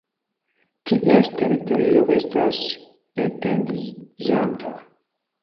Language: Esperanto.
Ties teritorio estas etendiĝanta.